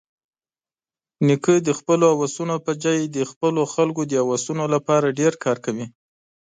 نیکه د خپلو هوسونو پرځای د خپلو خلکو د هوسونو لپاره ډېر کار کوي.